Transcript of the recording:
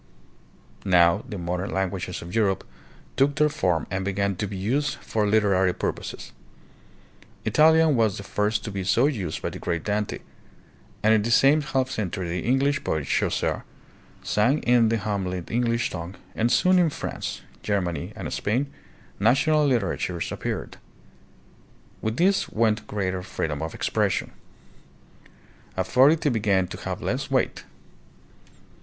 Now the modern languages of Europe took their form and began to be used for literary purposes. Italian was the first to be so used by the great Dante, and in the same half century the English poet Chaucer sang in the homely English tongue, and soon in France, Germany, and Spain national literatures appeared. With this went greater free dom of expression. Authority began to have less weight.